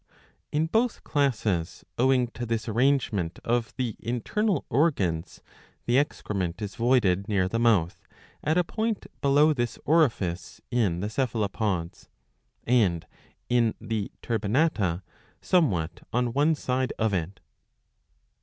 In both classes, owing to this arrangement of the internal organs, the excrement is voided near the mouth ; at a point below this orifice in the Cephalopods, and in the Turbinata somewhat on ohe side of it.''